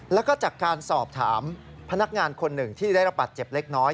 แล้วก็จากการสอบถามพนักงานคนหนึ่งที่ได้รับบาดเจ็บเล็กน้อย